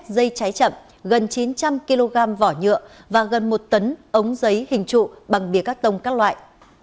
gần chín trăm linh kg vỏ nhựa và gần một tấn ống giấy hình trụ bằng bia cắt tông các loại